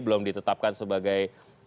belum ditetapkan sebagai